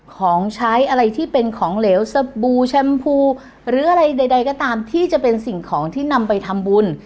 ของใช้อะไรที่เป็นของเหลวสบู่แชมพูหรืออะไรใดก็ตามที่จะเป็นสิ่งของที่นำไปทำบุญ